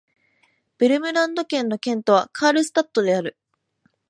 ヴェルムランド県の県都はカールスタッドである